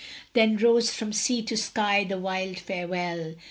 Then rose from sea to sky the wild farewell!